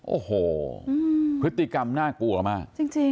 โอ้โหพฤติกรรมน่ากลัวมากจริง